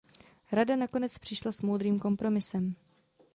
Rada nakonec přišla s moudrým kompromisem.